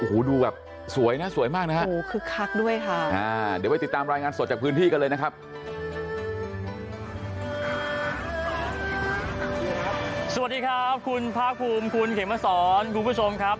โอ้โหดูแบบสวยนะสวยมากนะครับ